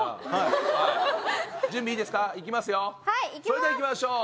それではいきましょう。